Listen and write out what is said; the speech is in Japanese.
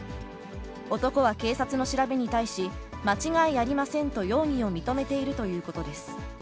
男は警察の調べに対し、間違いありませんと容疑を認めているということです。